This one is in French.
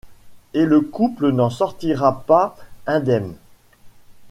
Et le couple n'en sortira pas indemne.